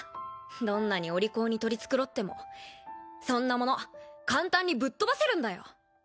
どんなにお利口に取り繕ってもそんなもの簡単にぶっ飛ばせるんだよ。